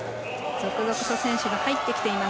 続々と選手が入ってきています。